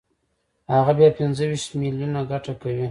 هغه بیا پنځه ویشت میلیونه ګټه کوي